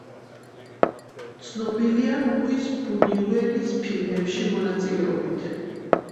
ცნობილია ლუის ბუნიუელის ფილმებში მონაწილეობით.